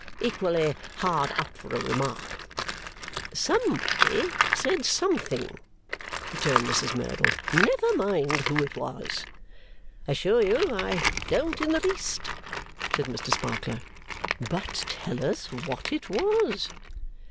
Equally hard up for a remark.' 'Somebody said something,' returned Mrs Merdle. 'Never mind who it was.' ['Assure you I don't in the least,' said Mr Sparkler.) 'But tell us what it was.